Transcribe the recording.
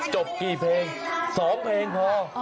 จบกี่เพลง๒เพลงพอ